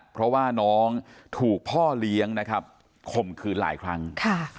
เพราะว่าน้องถูกพ่อเลี้ยงนะครับข่มขืนหลายครั้งค่ะ